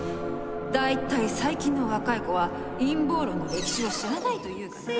大体最近の若い子は陰謀論の歴史を知らないというか。